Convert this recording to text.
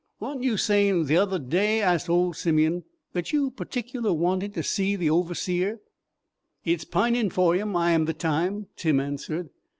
"Wa'n't you sayin' t'other day," asked old Simeon, "thet you particular wantid to see the Over_seer_?" "It's pining for him I am the time," Tim answered.